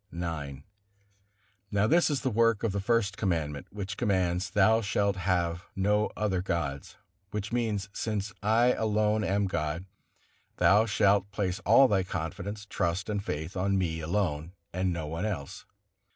IX. Now this is the work of the First Commandment, which commands: "Thou shalt have no other gods," which means: "Since I alone am God, thou shalt place all thy confidence, trust and faith on Me alone, and on no one else."